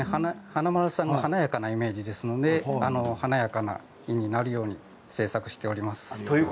華丸さんの華やかなイメージですので華やかな字になるように製作しています。